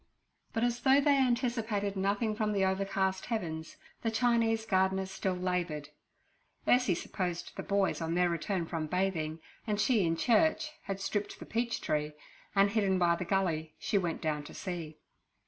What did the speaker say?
But as though they anticipated nothing from the overcast heavens, the Chinese gardeners still laboured. Ursie supposed the boys on their return from bathing, and she in church, had stripped the peach tree, and hidden by the gully, she went down to see.